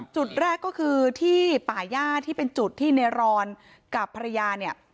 จุดแรกก็คือที่ป่าย่าที่เป็นจุดที่ในรอนกับภรรยาเนี่ย